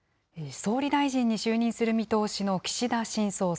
総理大臣に就任する見通しの岸田新総裁。